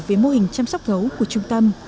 về mô hình chăm sóc gấu của trung tâm